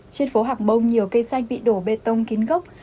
trên phố hàng bông nhiều cây xanh bị đổ bê tông kín gốc